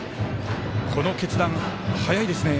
この決断、早いですね。